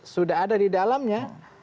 sudah ada di dalamnya